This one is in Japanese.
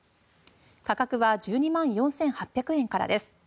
価格は１２万４８００円からです。